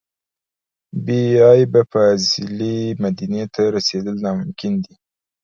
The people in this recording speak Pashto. بې عیبه فاضلې مدینې ته رسېدل ناممکن دي.